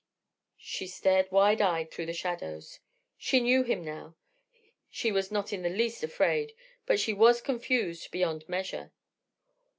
She stared wide eyed through the shadows. She knew him now, she was not in the least afraid, but she was confused beyond measure.